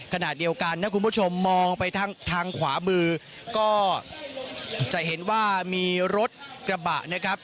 ขณะเดียวกันถ้าคุณผู้ชมมองไปทางขวามือก็จะเห็นว่ามีรถกระบะนะครับ